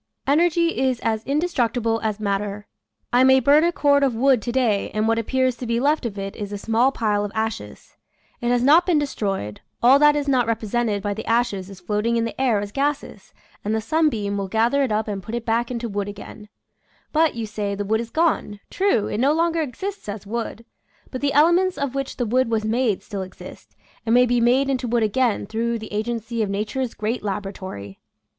Energy is as indestructible as matter. I may burn a cord of wood to day and what appears to be left of it is a small pile of ashes. It has not been destroyed; all that is not represented by the ashes is floating in the air as gases and the 184 {^\, Original from :{<~ UNIVERSITY OF WISCONSIN Generation of Deat. 135 sunbeam will gather it up and put it back into wood again. But, you say, the wood is gone; true, it no longer exists as wood, but the ele ments of which the wood was made still exist, and may be made into wood again through the agency of nature's great laboratory.